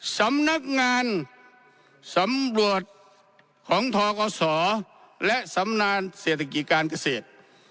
สำนักงานสำรวจของทกศและสำนานเศรษฐกิจการเกษตร